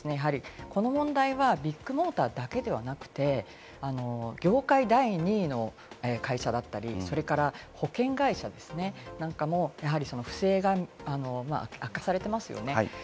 この問題はビッグモーターだけではなくて、業界第２位の会社だったり、それから保険会社なんかもやはり不正が悪化されてますよね。